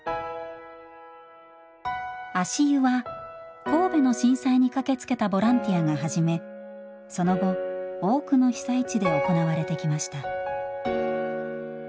足湯は神戸の震災に駆けつけたボランティアが始めその後多くの被災地で行われてきました。